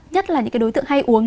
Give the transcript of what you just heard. nhất là những cái đối tượng hay uống